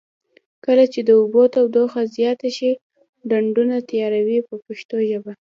کله چې د اوبو تودوخه زیاته شي ډنډونه تیاروي په پښتو ژبه.